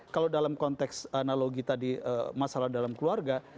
kalau dalam konteks analogi tadi masalah dalam keluarga